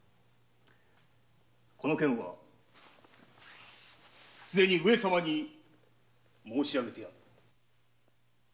この件はすでに上様に申し上げてある。